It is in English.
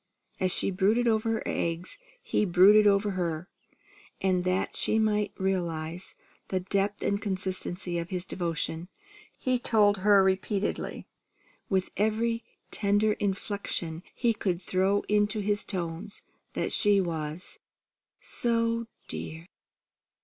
As she brooded over her eggs, he brooded over her; and that she might realize the depth and constancy of his devotion, he told her repeatedly, with every tender inflection he could throw into his tones, that she was "So dear!